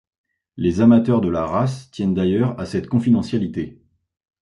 Les amateurs de la race tiennent d'ailleurs à cette confidentialité.